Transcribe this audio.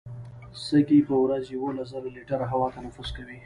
سږي په ورځ یوولس زره لیټره هوا تنفس کوي.